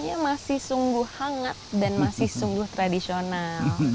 tapi dalam rumahnya masih sungguh hangat dan masih sungguh tradisional